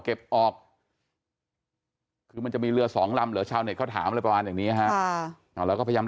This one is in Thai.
ออกคือมันจะมีเรือสองลำเหรอชาวเน็ตเขาถามอะไรประมาณอย่างนี้ฮะแล้วก็พยายาม